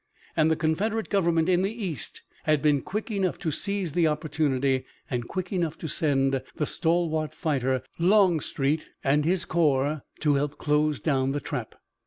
And the Confederate government in the East had been quick enough to seize the opportunity and quick enough to send the stalwart fighter, Longstreet, and his corps to help close down the trap.